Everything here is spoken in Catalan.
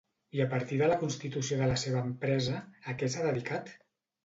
I a partir de la constitució de la seva empresa, a què s'ha dedicat?